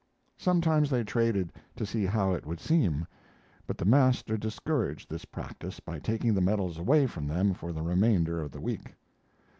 Sometimes they traded, to see how it would seem, but the master discouraged this practice by taking the medals away from them for the remainder of the week.